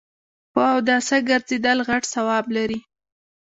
په اوداسه ګرځیدل غټ ثواب لري